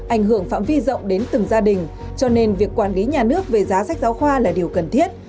ảnh hưởng phạm vi rộng đến từng gia đình cho nên việc quản lý nhà nước về giá sách giáo khoa là điều cần thiết